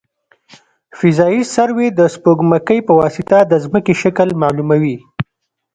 فضايي سروې د سپوږمکۍ په واسطه د ځمکې شکل معلوموي